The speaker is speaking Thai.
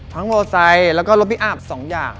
ทั้งโบไซค์แล้วก็รถพิอาฟ๒อย่าง